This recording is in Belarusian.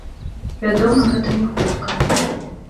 Вядома, гэта не хутка.